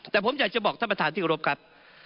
แต่ผมอยากจะบอกท่านประธานที่กรบครับ